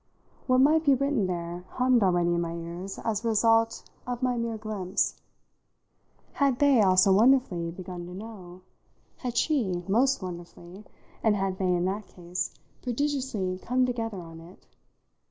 What might be written there hummed already in my ears as a result of my mere glimpse. Had they also wonderfully begun to know? Had she, most wonderfully, and had they, in that case, prodigiously come together on it?